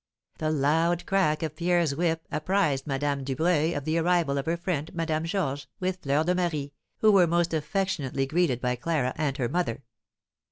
The loud crack of Pierre's whip apprised Madame Dubreuil of the arrival of her friend, Madame Georges, with Fleur de Marie, who were most affectionately greeted by Clara and her mother.